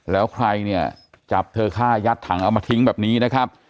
แล้วใครเนี่ยจับเธอฆ่ายัดถังเอามาทิ้งแบบนี้นะครับ